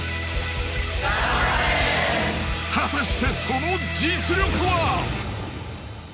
果たしてその実力は！？